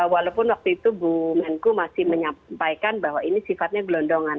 walaupun waktu itu bu menku masih menyampaikan bahwa ini sifatnya gelondongan